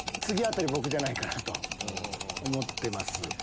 次あたり僕じゃないかなと思ってます。